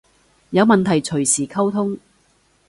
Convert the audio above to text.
有問題隨時溝通